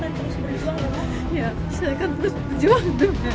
saya tidak akan berjuang